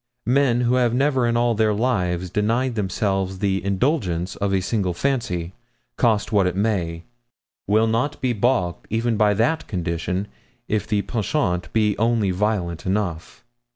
Men who have never in all their lives denied themselves the indulgence of a single fancy, cost what it may, will not be baulked even by that condition if the penchant be only violent enough.'